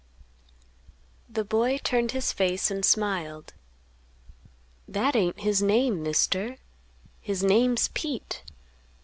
The boy turned his face and smiled; "That ain't his name, Mister; his name's Pete.